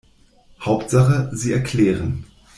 Hauptsache, Sie erklären.